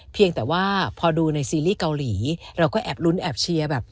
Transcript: เพียงแต่ว่าพอดูในซีรีส์เกาหลีเราก็แอบลุ้นแอบเชียร์แบบ